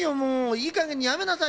いいかげんにやめなさいよ。